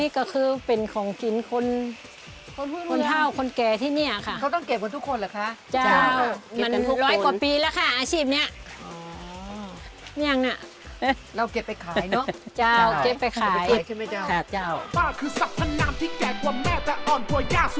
อาถึงแล้วจ้าวนี่ต้นเมียงค่ะนี่แหละภายถนน